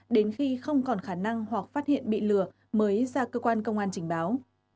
đến khi không còn khả năng hoặc phát hiện bị lừa mới ra cơ quan công an trình báo